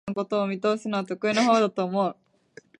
単に与えられたものというものは、抽象概念的に考えられたものに過ぎない。